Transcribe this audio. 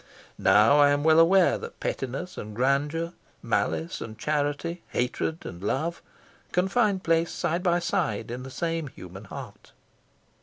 Now I am well aware that pettiness and grandeur, malice and charity, hatred and love, can find place side by side in the same human heart.